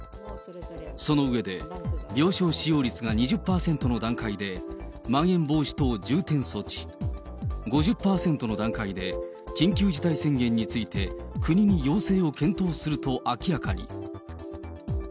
その上で、病床使用率が２０％の段階でまん延防止等重点措置、５０％の段階で緊急事態宣言について、国に要請を検討すると明らかに。